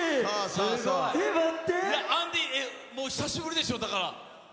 アンディー、久しぶりでしょ？だから。